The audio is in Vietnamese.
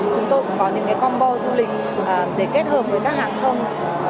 chúng tôi cũng có những combo du lịch để kết hợp với các hàng không